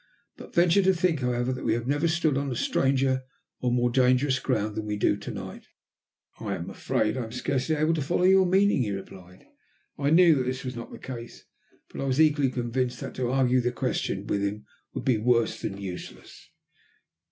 But I venture to think, however, that we have never stood on stranger or more dangerous ground than we do to night." "I am afraid I am scarcely able to follow your meaning," he replied. I knew that this was not the case, but I was equally convinced that to argue the question with him would be worse than useless.